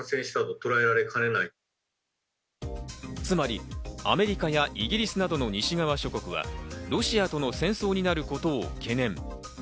つまりアメリカやイギリスなどの西側諸国はロシアとの戦争になることを懸念。